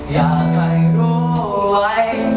อยากให้รู้ไว้